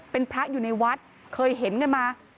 เป็นพระอยู่ในวัดเคยเห็นกันมา